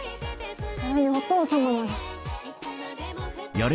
それにお父様まで。